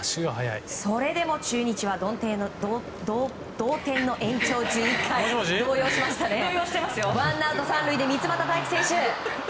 それでも中日は同点の延長１１回ワンアウト３塁で三ツ俣大樹選手。